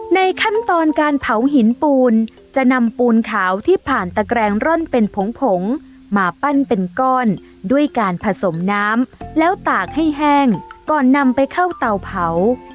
ในขั้นตอนการเผาหินปูนจะนำปูนขาวที่ผ่านตะแกรงร่อนเป็นผงผงมาปั้นเป็นก้อนด้วยการผสมน้ำแล้วตากให้แห้งก่อนนำไปเข้าเตาเผา